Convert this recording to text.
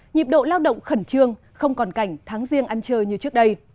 nhịp độ lao động khẩn trương không còn cảnh tháng riêng ăn chơi như trước đây